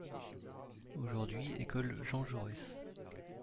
Aujourd’hui École Jean Jaurès.